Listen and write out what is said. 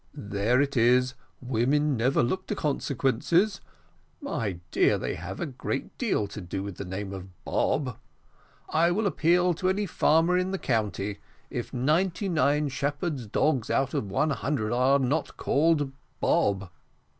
"There it is; women never look to consequences. My dear, they have a great deal to do with the name of Bob. I will appeal to any farmer in the county, if ninety nine shepherds' dogs out of one hundred are not called Bob.